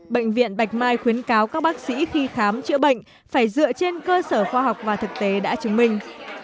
bệnh viện bạch mai khuyến cáo các bác sĩ khi khám chữa bệnh phải dựa trên cơ sở khoa học và thực tế đã chứng minh